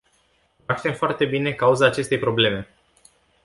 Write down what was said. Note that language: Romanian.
Cunoaștem foarte bine cauza acestei probleme.